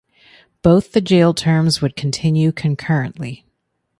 Both the jail terms would continue concurrently.